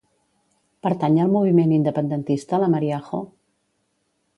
Pertany al moviment independentista la Mariajo?